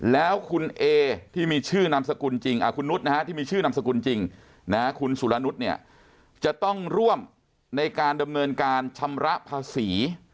แล้วคุณเอที่มีชื่อนามสกุลจริงคุณนุษย์ที่มีชื่อนามสกุลจริงคุณสุรนุษย์เนี่ยจะต้องร่วมในการดำเนินการชำระภาษี